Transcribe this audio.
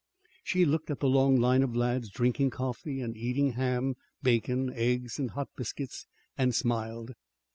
She looked at the long line of lads, drinking coffee and eating ham, bacon, eggs, and hot biscuits, and smiled.